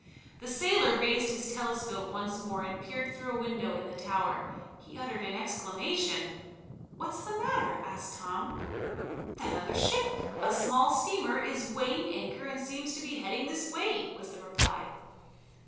The sailor raised his telescope once more and peered through a window in the tower. He uttered an exclamation. "What's the matter?" asked Tom. "That other ship a small steamer is weighing anchor and seems to be heading this way," was the reply.